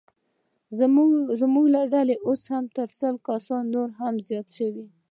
زموږ ډله اوس تر سلو کسانو هم زیاته شوه.